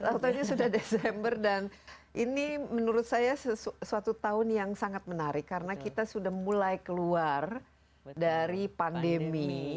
tau taunya sudah desember dan ini menurut saya suatu tahun yang sangat menarik karena kita sudah mulai keluar dari pandemi